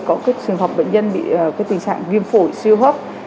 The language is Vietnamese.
có cái trường hợp bệnh nhân bị tình trạng viêm phổi siêu hấp